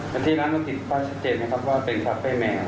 วันที่ร้านปกติป้ายชัดเจนไหมครับว่าเป็นชาไฟแมว